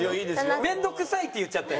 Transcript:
「面倒くさい」って言っちゃったよ。